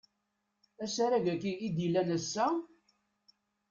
Asarag-agi i d-yellan ass-a?